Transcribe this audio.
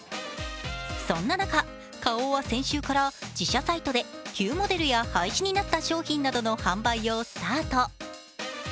そんな中、花王は先週から自社サイトで旧モデルや廃止になった商品などの販売をスタート。